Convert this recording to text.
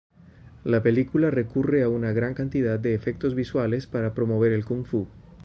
La película recurre a una gran cantidad de efectos visuales para promover el kung-fu.